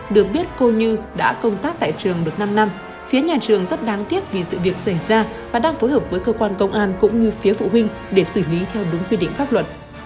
được biết cô như đã công tác tại trường được năm năm phía nhà trường rất đáng tiếc vì sự việc xảy ra và đang phối hợp với cơ quan công an cũng như phía phụ huynh để xử lý theo đúng quy định pháp luật